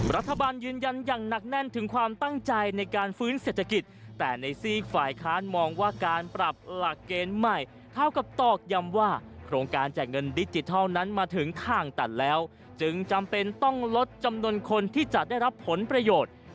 รัฐบาลยืนยันอย่างหนักแน่นถึงความตั้งใจในการฟื้นเศรษฐกิจแต่ในซีกฝ่ายค้านมองว่าการปรับหลักเกณฑ์ใหม่เท่ากับตอกย้ำว่าโครงการแจกเงินดิจิทัลนั้นมาถึงทางตันแล้วจึงจำเป็นต้องลดจำนวนคนที่จะได้รับผลประโยชน์